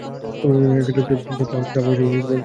তা কীসে দক্ষ তুমি বাপু?